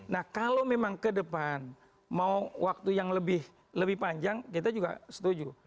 nah kalau memang ke depan mau waktu yang lebih panjang kita juga setuju